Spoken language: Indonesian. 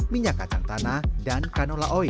minyak kacang tanah dan kanola oil